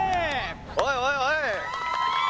おいおいおい！